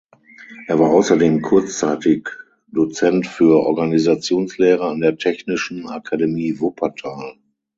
Er war außerdem kurzzeitig Dozent für Organisationslehre an der Technischen Akademie Wuppertal.